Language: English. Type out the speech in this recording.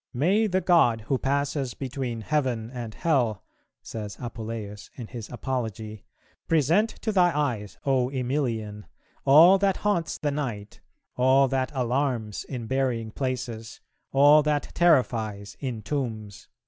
"May the god who passes between heaven and hell," says Apuleius in his Apology, "present to thy eyes, O Emilian, all that haunts the night, all that alarms in burying places, all that terrifies in tombs."